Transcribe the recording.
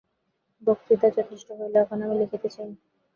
বক্তৃতা যথেষ্ট হল, এখন আমি লিখতে চাই।